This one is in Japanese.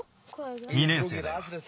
２年生だよ。